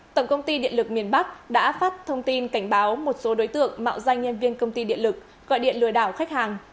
tổng công ty điện lực miền bắc đã phát thông tin cảnh báo một số đối tượng mạo danh nhân viên công ty điện lực gọi điện lừa đảo khách hàng